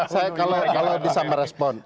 saya kalau bisa merespon